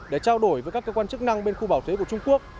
để trao đổi với các cơ quan chức năng bên khu bảo thuế của trung quốc